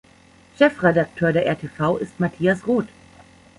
Chefredakteur der "rtv" ist Matthias Roth.